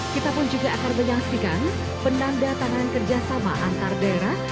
kita pun juga akan menyaksikan penanda tanganan kerjasama antar daerah